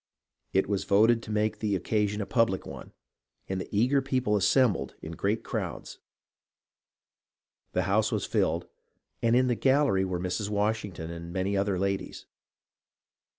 It was voted to make the occasion a public one, and the eager people assem bled in great crowds. The house was filled, and in the gallery were Mrs. Washington and many other ladies.